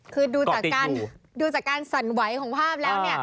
คือดูจากการสั่นไหวของภาพแล้ว